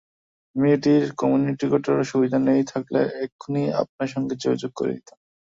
মেয়েটির কম্যুনিকেটরের সুবিধা নেই, থাকলে এক্ষুণি আপনার সঙ্গে যোগাযোগ করিয়ে দিতাম।